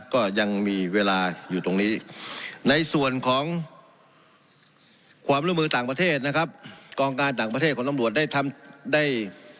ก็ยังมีเวลาอยู่ตรงนี้